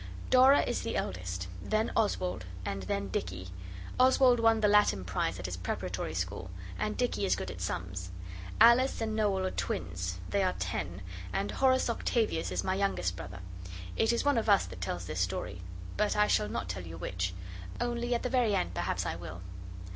Dora is the eldest. Then Oswald and then Dicky. Oswald won the Latin prize at his preparatory school and Dicky is good at sums. Alice and Noel are twins: they are ten, and Horace Octavius is my youngest brother. It is one of us that tells this story but I shall not tell you which: only at the very end perhaps I will.